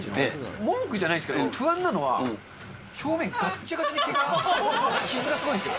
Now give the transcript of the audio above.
文句じゃないですけど、不安なのは、表面がっちゃがちゃに傷がすごいんですよ。